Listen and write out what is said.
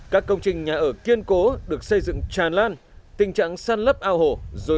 các công trình nhà ở kiên cố được xây dựng tràn lan tình trạng săn lấp ao hồ rồi